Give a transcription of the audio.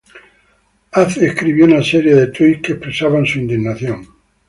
Haze escribió una serie de tweets que expresaban su indignación.